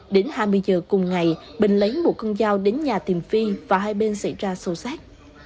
đến hai mươi giờ cùng ngày bình lấy một con dao đến nhà tìm phi và hai bên xảy ra sâu sát